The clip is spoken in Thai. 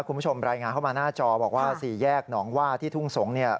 คุณผู้ชมรายงานเข้ามาหน้าจอบอกว่าสี่แยกหนองว่าที่ทุ่งสงศ์เนี่ย